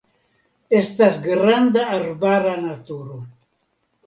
Estas granda arbara naturo.